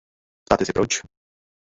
Ptáte se proč?